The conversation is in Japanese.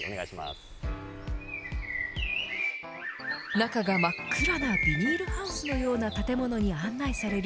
中が真っ暗なビニールハウスのような建物に案内される